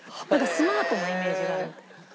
スマートなイメージがあるみたい。